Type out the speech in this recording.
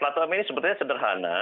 platform ini sepertinya sederhana